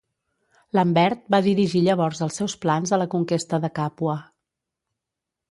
Lambert va dirigir llavors els seus plans a la conquesta de Càpua.